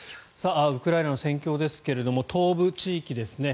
ウクライナの戦況ですが東部地域ですね。